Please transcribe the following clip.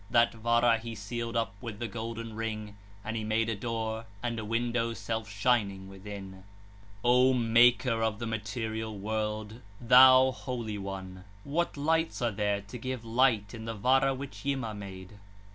That p. 20 [paragraph continues] Vara he sealed up with the golden ring, and he made a door, and a window self shining within. 39 (129). O Maker of the material world, thou Holy One! What lights are there to give light 1 in the Vara which Yima made?